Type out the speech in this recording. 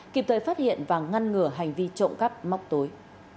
kịp thời phát hiện và ngăn ngừa hành vi trộm cắp móc tối